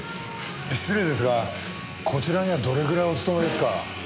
失礼ですがこちらにはどれぐらいお勤めですか？